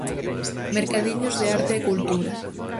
Mercadiños de arte e cultura.